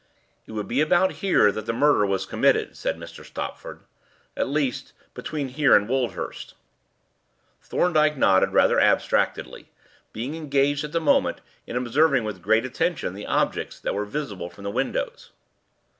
"It would be about here that the murder was committed," said Mr. Stopford; "at least, between here and Woldhurst." Thorndyke nodded rather abstractedly, being engaged at the moment in observing with great attention the objects that were visible from the windows.